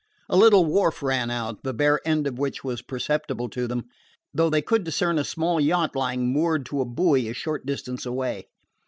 A little wharf ran out, the bare end of which was perceptible to them, though they could discern a small yacht lying moored to a buoy a short distance away.